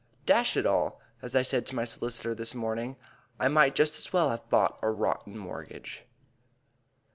"Dash it all," as I said to my solicitor this morning, "I might just as well have bought a rotten mortgage."